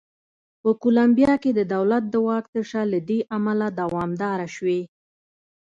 په کولمبیا کې د دولت د واک تشه له دې امله دوامداره شوې.